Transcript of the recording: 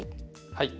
はい。